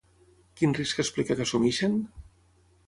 Quin risc explica que assumeixen?